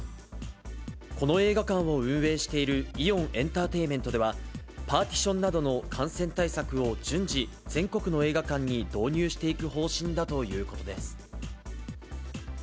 この映画館を運営しているイオンエンターテイメントでは、パーティションなどの感染対策を順次、全国の映画館に導入していく方針だということです。